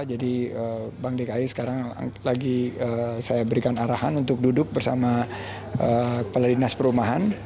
jadi bank dki sekarang lagi saya berikan arahan untuk duduk bersama kepala dinas perumahan